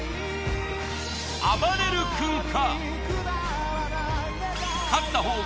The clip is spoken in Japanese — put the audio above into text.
あばれる君か？